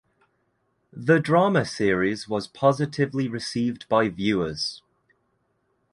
The drama series was positively received by viewers.